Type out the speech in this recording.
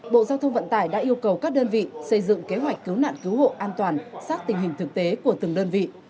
bộ giao thông vận tải đã yêu cầu các đơn vị xây dựng kế hoạch cứu nạn cứu hộ an toàn sát tình hình thực tế của từng đơn vị